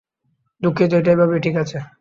দুঃখিত, এটা এভাবেই ঠিক আছে!